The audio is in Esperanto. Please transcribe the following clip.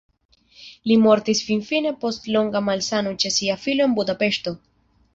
Li mortis finfine post longa malsano ĉe sia filo en Budapeŝto.